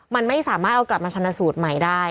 มันไม่สามารถเอากลับมาชนะสูตรใหม่ได้